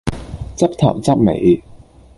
執頭執尾